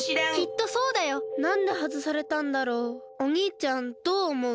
おにいちゃんどうおもう？